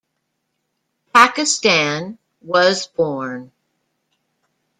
Pakistan, was born.